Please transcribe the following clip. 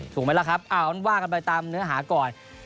ถูกไหมล่ะครับว่ากันไปตามเนื้อหาก่อน